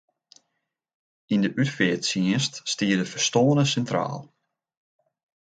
Yn de útfearttsjinst stiet de ferstoarne sintraal.